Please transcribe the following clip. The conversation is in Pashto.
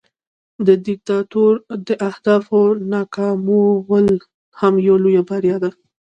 د دیکتاتور د اهدافو ناکامول هم یوه لویه بریا ده.